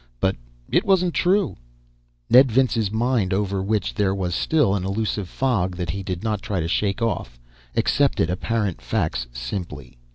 But it wasn't true ..." Ned Vince's mind, over which there was still an elusive fog that he did not try to shake off, accepted apparent facts simply.